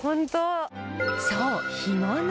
そう干物。